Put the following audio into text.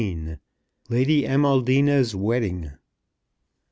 LADY AMALDINA'S WEDDING.